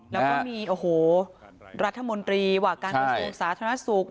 แล้วก็มีโอ้โหรัฐมนตรีว่าการกระทรวงสาธารณสุข